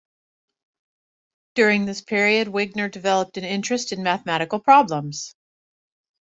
During this period, Wigner developed an interest in mathematical problems.